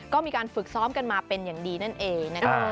ก็มีการฝึกซ้อมกันมาเป็นอย่างดีนั่นเองนะคะ